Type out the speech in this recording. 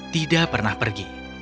tidak pernah pergi